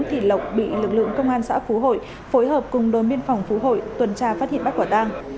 thì lộc bị lực lượng công an xã phú hội phối hợp cùng đồn biên phòng phú hội tuần tra phát hiện bắt quả tang